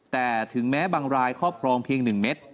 แต่ถึงแม้บางรายครอบครองเพียง๑เม็ด